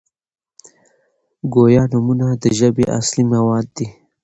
ګویا نومونه د ژبي اصلي مواد دي.